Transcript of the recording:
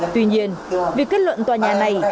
tuy nhiên việc kết luận tòa nhà này